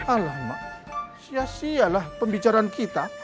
alah mak sia sialah pembicaraan kita